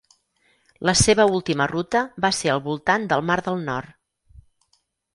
La seva última ruta va ser al voltant del mar del Nord.